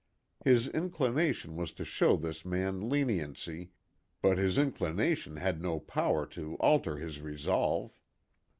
His inclination was to show this man leniency, but his inclination had no power to alter his resolve.